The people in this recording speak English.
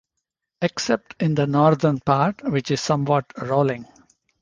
Except in the Northern Part which is somewhat Rolling.